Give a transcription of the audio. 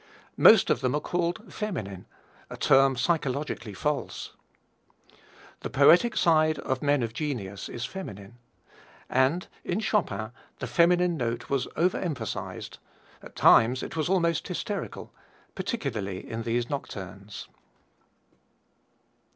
Most of them are called feminine, a term psychologically false. The poetic side of men of genius is feminine, and in Chopin the feminine note was over emphasized at times it was almost hysterical particularly in these nocturnes.